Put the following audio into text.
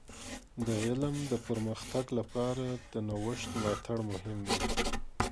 د علم د پرمختګ لپاره د نوښت ملاتړ مهم دی.